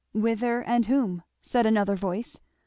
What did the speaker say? "Whither? and whom?" said another voice.